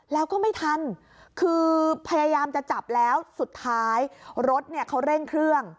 แล้วก็ไม่ทันคือพยายามจะจับแล้วสุดท้ายรถเนี่ยเขาเร่งเครื่อง